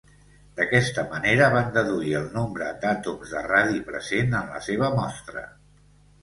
D'aquesta manera van deduir el nombre d'àtoms de radi present en la seva mostra.